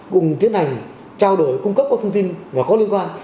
cùng tiến hành trao đổi cung cấp các thông tin và có liên quan